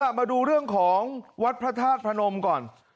มาดูเรื่องของวัดพระธาตุพระนมก่อน